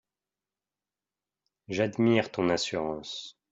J’admire ton assurance…